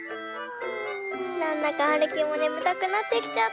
なんだかはるきもねむたくなってきちゃった。